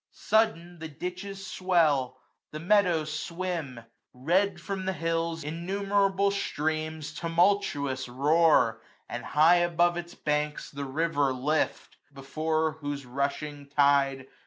335 Sudden, the ditches swell ; the meadows swim. Red, from the hills, innumerable streams Tumultuous roar ; and high above its banks The river lift ; before whose rushing tide.